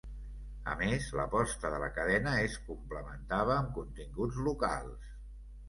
A més, l'aposta de la cadena es complementava amb continguts locals.